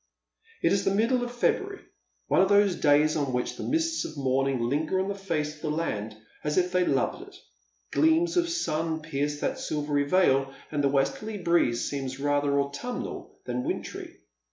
" It is the middle of February, one of those days on which the mists of morning linger on the face of the land, as if they loved it. Gleams of sun pierce that silvery veil, and the westerly breeze seems rather autumnal than wintry.